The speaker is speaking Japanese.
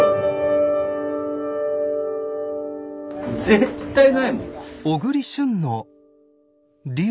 絶対ないもん。